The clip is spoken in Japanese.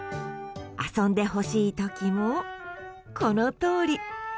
遊んでほしい時もこのとおり。